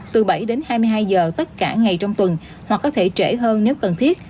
từ bảy đến hai mươi hai giờ tất cả ngày trong tuần hoặc có thể trễ hơn nếu cần thiết